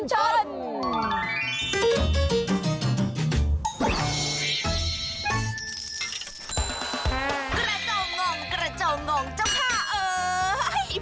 กระเจ้างองกระเจ้างองเจ้าพ่าเอ่ย